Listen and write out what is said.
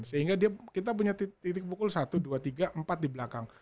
sehingga kita punya titik pukul satu dua tiga empat di belakang